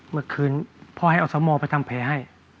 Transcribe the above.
เมื่อคืนพ่อให้อสมไปทำแผลให้